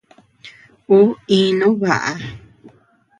Uu íinu baʼa.